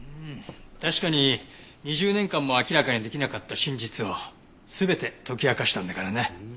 確かに２０年間も明らかにできなかった真実を全て解き明かしたんだからね。